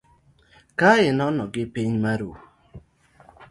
Ka inono gi piny maru.